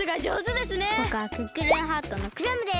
ぼくはクックルンハートのクラムです。